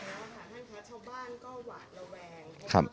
ท่านคะเช้าบ้านก็หวาดระแวงเพราะว่ากลัวด้วยอ่ามองว่ามันช้าไปไหมคะ